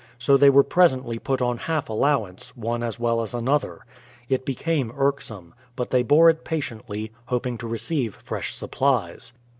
So they were presently put on half allowance, one as well as another. It became irksome, but they bore it patiently, hoping to receive fresh supplies.